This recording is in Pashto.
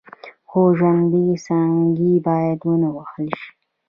خو ژوندۍ څانګې باید ونه وهل شي.